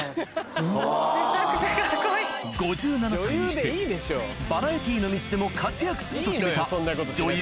５７歳にしてバラエティーの道でも活躍すると決めた女優